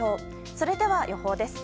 それでは予報です。